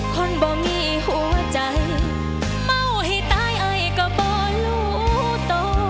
บ่มีหัวใจเมาให้ตายไอก็บ่รู้ต่อ